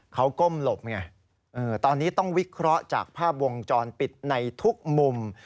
เขาก้มหลบไงตอนนี้ต้องวิเคราะห์จากภาพวงจรปิดในทุกมุม